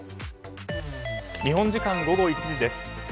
日本時間午後１時です。